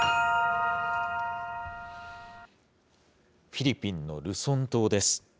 フィリピンのルソン島です。